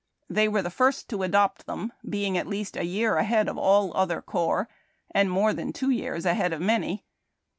The}^ were the first to adopt them, being at least a year ahead of all other corps, and more than two years ahead of many.